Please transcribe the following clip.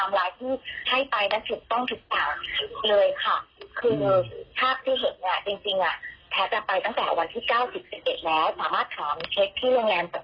ไม่ได้ลืมเขานะแต่ว่ามันมีดัน